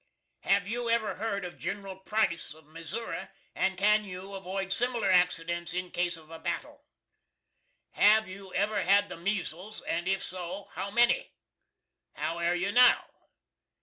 Hav you ever heard of Ginral Price of Missouri, and can you avoid simler accidents in case of a battle? Have you ever had the measles, and if so, how many? How air you now?